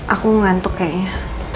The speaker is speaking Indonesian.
aku ngantuk kayaknya